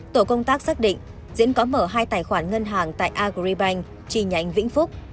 tổ công tác xác định diễn có mở hai tài khoản ngân hàng tại agribank chi nhánh vĩnh phúc